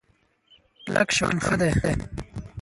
کلک شان ښه دی.